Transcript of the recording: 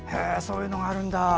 そういうのがあるんだ。